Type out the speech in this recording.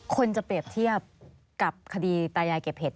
คนจะเปรียบเทียบกับคดีตายายเก็บเห็ด